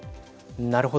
なるほど。